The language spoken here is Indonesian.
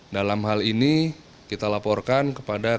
dalam hal ini kita laporkan kepada